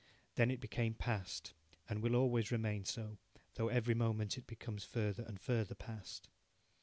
Then it became past, and will always remain so, though every moment it becomes further and further past.